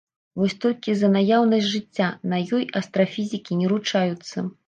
Вось толькі за наяўнасць жыцця на ёй астрафізікі не ручаюцца.